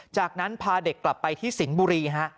จากนั้นพาเด็กกลับไปที่สิงห์บุรีฮะ